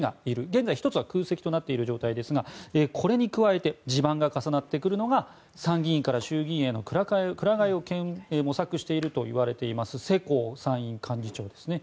現在、１つは空席となっている状態ですがこれに加えて地盤が重なってくるのが参議院から衆議院へのくら替えを模索しているといわれている世耕参院幹事長ですね。